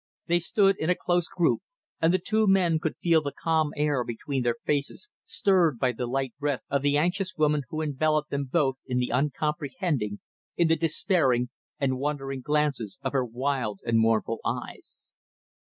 They stood in a close group, and the two men could feel the calm air between their faces stirred by the light breath of the anxious woman who enveloped them both in the uncomprehending, in the despairing and wondering glances of her wild and mournful eyes.